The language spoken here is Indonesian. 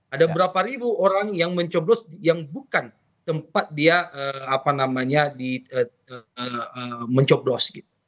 ada berapa ribu orang yang mencoblos yang bukan tempat dia mencoblos